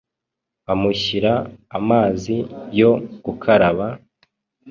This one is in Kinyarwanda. amushyira amazi yo gukaraba.